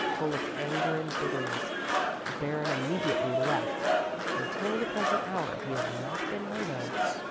Full of anger and bitterness the Baron immediately left, and till the present hour he has not been heard of.